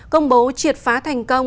công bố triệt phá thành công